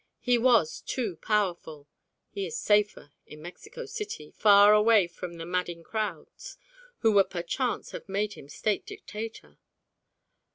He was too powerful: he is safer in Mexico City, far away from the madding crowds who would perchance have made him State dictator.